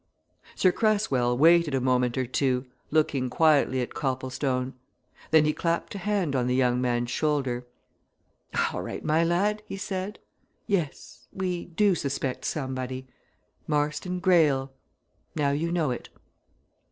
Sir Cresswell waited a moment or two, looking quietly at Copplestone. Then he clapped a hand on the young man's shoulder. "All right, my lad," he said. "Yes! we do suspect somebody. Marston Greyle! Now you know it."